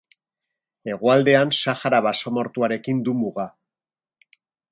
Hegoaldean Sahara basamortuarekin du muga.